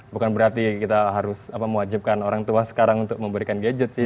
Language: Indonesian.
bukan berarti kita harus mewajibkan orang tua sekarang untuk memberikan gadget sih